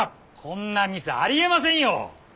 こんなミスありえませんよ！